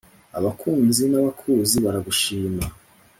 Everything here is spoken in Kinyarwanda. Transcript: abakunzi n’abakuzi baragushima.